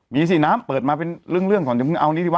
มีสิน้ำเปิดมาเป็นเรื่องของเอานี่ดิวะ